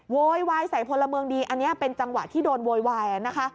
โวยวายใส่พลเมืองดีอันนี้เป็นจังหวะที่โดนโวยวายนะคะ